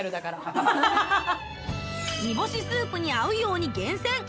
煮干しスープに合うように厳選！